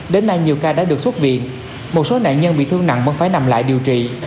đến nay nhiều ca đã được xuất viện một số nạn nhân bị thương nặng vẫn phải nằm lại điều trị